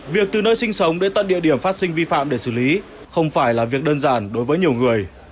việc từ nơi sinh sống đến tận địa điểm phát sinh vi phạm để xử lý không phải là việc đơn giản đối với nhiều người